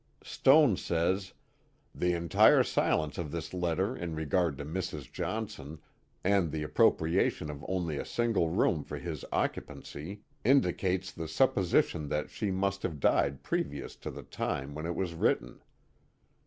Stone says: '* The entire ttlence of this letter in regard to Mrs. Johnson^ and thb ap propriatioh of' only a single rck>m for his occupancy, inddoes the supposition that she must have died previous to the time when it Was* written.